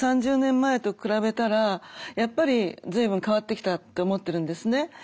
３０年前と比べたらやっぱり随分変わってきたって思ってるんですね。